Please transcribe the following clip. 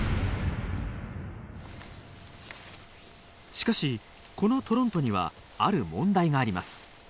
しかしこのトロントにはある問題があります。